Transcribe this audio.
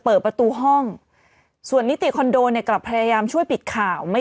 เปิดประตูห้องส่วนนิติคอนโดเนี่ยกลับพยายามช่วยปิดข่าวไม่